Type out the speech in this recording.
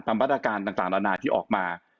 ตามพัฒนาการต่างละนายที่ออกมา